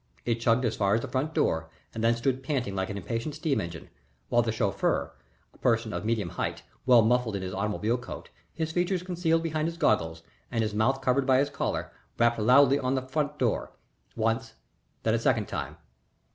It chugged as far as the front door and then stood panting like an impatient steam engine, while the chauffeur, a person of medium height, well muffled in his automobile coat, his features concealed behind his goggles, and his mouth covered by his collar, rapped loudly on the front door, once, then a second time.